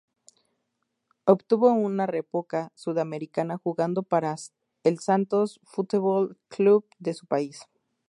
Obtuvo una Recopa Sudamericana jugando para el Santos Futebol Clube de su país.